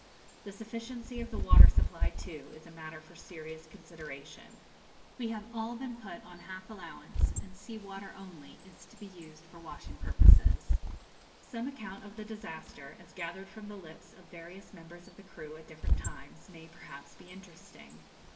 The sufficiency of the water supply, too, is a matter for serious consideration. We have all been put on half allowance, and sea water only is to be used for washing purposes. [Illustration: Shipwrecked Crew coming on Board.] Some account of the disaster, as gathered from the lips of various members of the crew at different times, may perhaps be interesting.